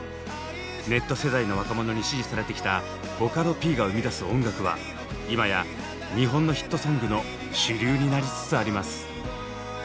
ネット世代の若者に支持されてきたボカロＰが生み出す音楽は今や日本のヒットソングの主流になりつつあります。